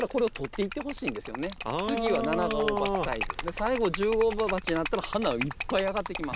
最後１０号鉢になったら花いっぱいあがってきます。